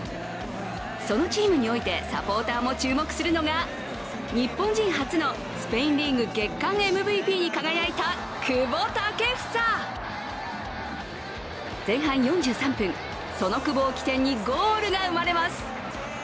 そのチームにおいて、サポーターも注目するのが日本人初のスペインリーグ月間ＭＶＰに輝いた久保建英。前半４３分、その久保を起点にゴールが生まれます。